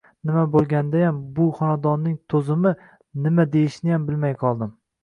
Nima bo‘lg‘andayam, bu xonadonning to‘zimi… Nima deyishniyam bilmay qoldim